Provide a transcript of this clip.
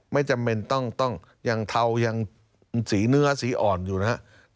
ไม่จำเป็นต้องยังเทายังสีเนื้อสีอ่อนอยู่นะครับ